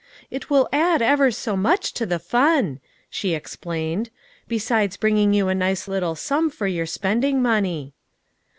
" It will add ever so much to the fun," she explained, "besides bringing you a nice little sum for your spending money."